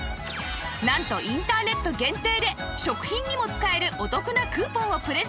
なんとインターネット限定で食品にも使えるお得なクーポンをプレゼント